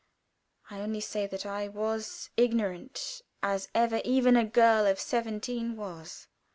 I only say that I was ignorant as ever even a girl of seventeen was.